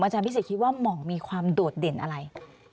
อาจารย์พี่ศิษย์คิดว่ามองมีความโดดเด่นอะไร